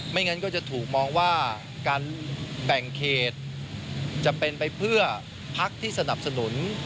งั้นก็จะถูกมองว่าการแบ่งเขตจะเป็นไปเพื่อพักที่สนับสนุน